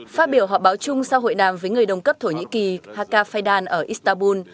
phát biểu họp báo chung sau hội đàm với người đồng cấp thổ nhĩ kỳ haka faydan ở istanbul